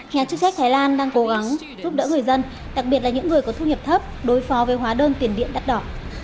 nhà chức trách thái lan đang cố gắng giúp đỡ người dân đặc biệt là những người có thu nhập thấp đối phó với hóa đơn tiền điện đắt đỏ